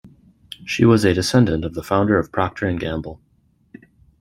She was a descendent of the founder of Procter and Gamble.